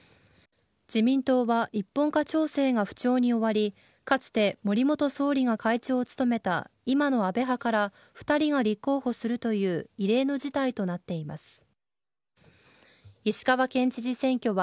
自民党は一本化調整が不調に終わりかつて森元総理が会長を務めた今の安倍派から２人が立候補するという異例の事態となっています。